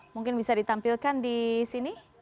mungkin bisa ditampilkan di sini